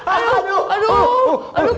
aduh aduh aduh